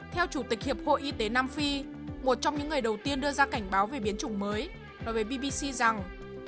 theo chủ tịch hiệp hội y tế nam phi một trong những người đầu tiên đưa ra cảnh báo về biến chủng mới là về bbc rằng